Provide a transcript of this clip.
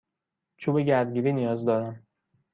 چوب گردگیری نیاز دارم.